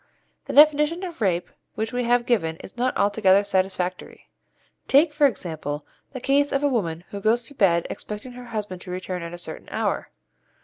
The definition of rape which we have given is not altogether satisfactory. Take, for example, the case of a woman who goes to bed expecting her husband to return at a certain hour.